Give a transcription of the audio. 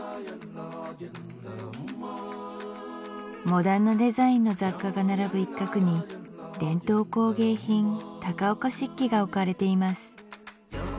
モダンなデザインの雑貨が並ぶ一角に伝統工芸品高岡漆器が置かれています